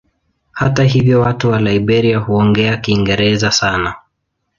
Hata hivyo watu wa Liberia huongea Kiingereza sana.